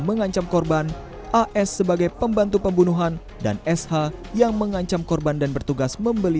mengancam korban as sebagai pembantu pembunuhan dan sh yang mengancam korban dan bertugas membeli